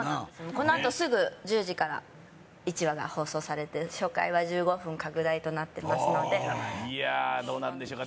このあとすぐ１０時から１話が放送されて初回は１５分拡大となってますのでいやどうなんでしょうか